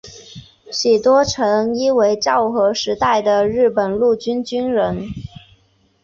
喜多诚一为昭和时代的日本陆军军人。